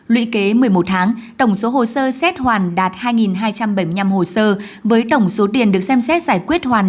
lũy kế một mươi một tháng tổng số hồ sơ xét hoàn đạt hai hai trăm bảy mươi năm hồ sơ với tổng số tiền được xem xét giải quyết hoàn